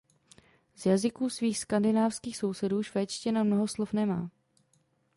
Z jazyků svých skandinávských sousedů švédština mnoho slov nemá.